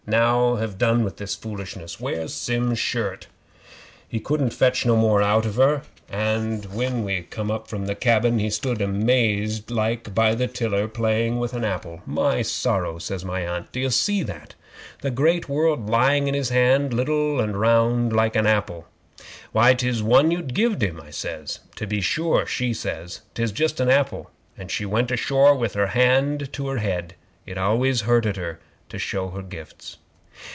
Now ha' done with this foolishness. Where's Sim's shirt?" 'He couldn't fetch no more out of her, and when we come up from the cabin, he stood mazed like by the tiller, playing with a apple. '"My Sorrow!" says my Aunt; "d'ye see that? The great world lying in his hand, liddle and round like a apple." '"Why, 'tis one you gived him," I says. '"To be sure," she says. "'Tis just a apple," and she went ashore with her hand to her head. It always hurted her to show her gifts.